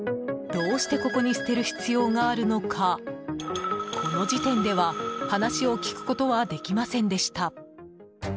どうしてここに捨てる必要があるのかこの時点では話を聞くことはできませんでした。